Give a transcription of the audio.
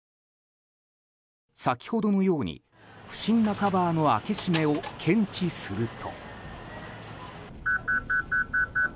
先ほどのように不審なカバーの開け閉めを検知すると。